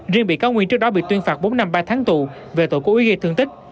riêng bị cáo nguyên trước đó bị tuyên phạt bốn năm ba tháng tù về tội cố ý gây thương tích